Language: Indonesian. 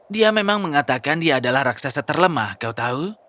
dia memang mengatakan dia adalah raksasa terlemah kau tahu